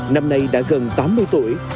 năm nay đã gần tám mươi tuổi